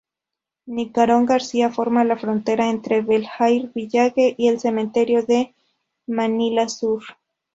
Nicanor García forma la frontera entre Bel-Air Village y el cementerio de Manila Sur.